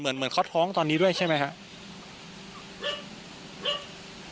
เหมือนเขาท้องตอนนี้ด้วยใช่ไหมครับ